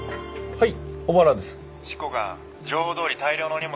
はい。